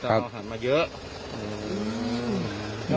ต้องอาหารมาเยอะ